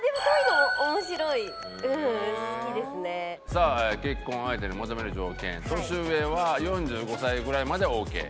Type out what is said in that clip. さあ「結婚相手に求める条件」「年上は４５歳くらいまでオーケー」。